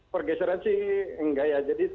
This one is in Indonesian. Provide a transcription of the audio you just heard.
pergeseran sih enggak ya